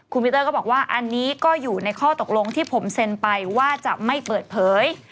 คุณปีเตอร์ก็บอกว่าอันนี้ก็อยู่ในข้อตกลงที่ผมเซ็นไปว่าจะไม่เปิดเผย